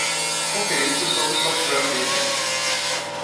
Conferências sobre software livre.